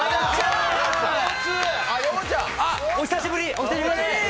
お久しぶり！